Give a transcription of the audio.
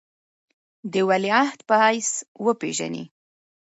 د ولیعهد په حیث وپېژني.